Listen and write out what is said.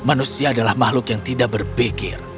manusia adalah makhluk yang tidak berpikir